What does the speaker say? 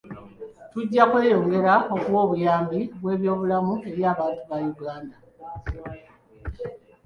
Tujja kweyongera okuwa obuyambi bw'ebyobulamu eri abantu ba Uganda.